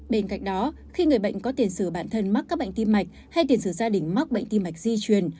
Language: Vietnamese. bên cạnh đó khi người bệnh có tiền sử bản thân mắc các bệnh tim mạch hay tiền sử gia đình mắc bệnh tim mạch di truyền